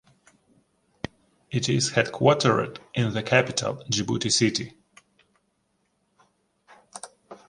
It is headquartered in the capital, Djibouti City.